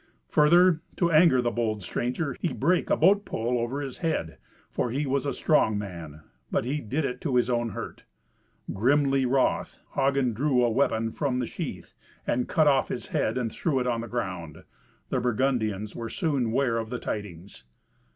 Further, to anger the bold stranger, he brake a boat pole over his head, for he was a strong man. But he did it to his own hurt. Grimly wroth, Hagen drew a weapon from the sheath, and cut off his head, and threw it on the ground. The Burgundians were soon ware of the tidings.